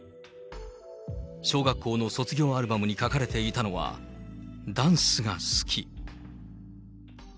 小学校の卒業アルバムに書かれていたのは、ダンスが好き。